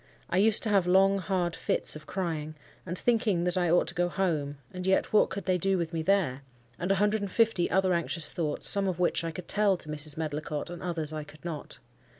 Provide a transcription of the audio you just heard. I used to have long, hard fits of crying; and, thinking that I ought to go home—and yet what could they do with me there?—and a hundred and fifty other anxious thoughts, some of which I could tell to Mrs. Medlicott, and others I could not.